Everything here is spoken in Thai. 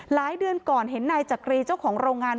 เดือนก่อนเห็นนายจักรีเจ้าของโรงงาน